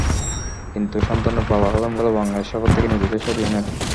কিন্তু সন্তানের বাবা হবেন বলে বাংলাদেশ সফর থেকে নিজেকে সরিয়ে নেন।